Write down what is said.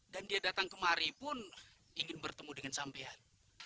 dan dia datang kemari pun ingin bertemu dengan sampean